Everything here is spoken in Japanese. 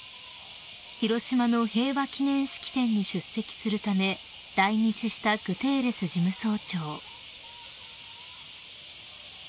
［広島の平和記念式典に出席するため来日したグテーレス事務総長］